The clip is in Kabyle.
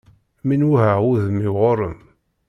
Mi n-wehheɣ udem-iw ɣur-m.